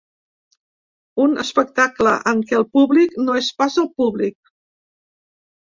Un espectacle en què el públic no és pas el públic.